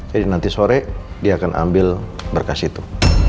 jadi nanti sore dia akan ambil berkas itu